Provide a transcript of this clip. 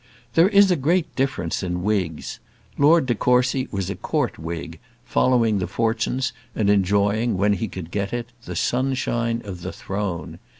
There is a great difference in Whigs. Lord de Courcy was a Court Whig, following the fortunes, and enjoying, when he could get it, the sunshine of the throne.